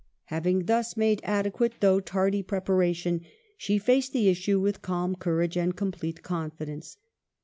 Having thus made adequate, though tardy, preparation, she faced the issue with calm courage and complete confidence.